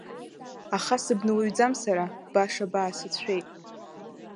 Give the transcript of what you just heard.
Аха сыбнауаҩӡам сара, баша баасыцәшәеит.